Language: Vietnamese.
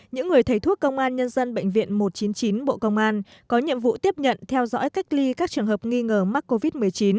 những người thầy thuốc công an nhân dân bệnh viện một trăm chín mươi chín bộ công an có nhiệm vụ tiếp nhận theo dõi cách ly các trường hợp nghi ngờ mắc covid một mươi chín